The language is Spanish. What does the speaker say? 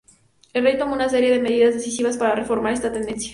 El rey tomó una serie de medidas decisivas para reformar esta tendencia.